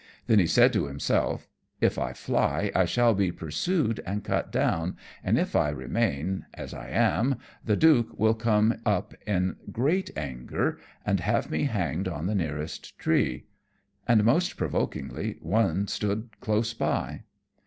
Then he said to himself, "If I fly I shall be pursued and cut down, and, if I remain as I am, the Duke will come up in great anger and have me hanged on the nearest tree;" and most provokingly one stood close by.